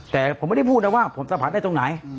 แต่ผมไม่ได้พูดนะว่าผมสัมผัสได้ตรงไหน